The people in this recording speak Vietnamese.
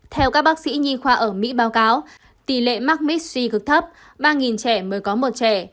theo các bác sĩ nhi khoa ở mỹ báo cáo tỷ lệ mắc mixi cực thấp ba trẻ mới có một trẻ